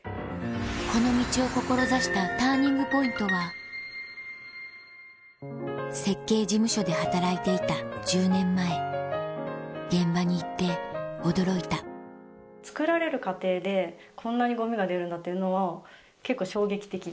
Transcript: この道を志したＴＵＲＮＩＮＧＰＯＩＮＴは現場に行って驚いたつくられる過程でこんなにゴミが出るんだっていうのは結構衝撃的で。